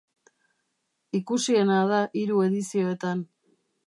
Ikusiena da hiru edizioetan.